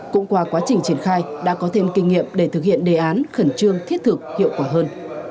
cũng qua quá trình triển khai đã có thêm kinh nghiệm để thực hiện đề án khẩn trương thiết thực hiệu quả hơn